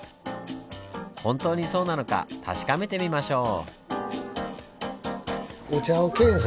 本当にそうなのか確かめてみましょう！